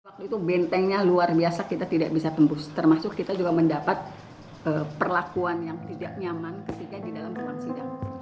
waktu itu bentengnya luar biasa kita tidak bisa tembus termasuk kita juga mendapat perlakuan yang tidak nyaman ketika di dalam ruang sidang